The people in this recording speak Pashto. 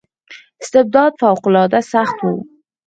استبداد فوق العاده سخت و.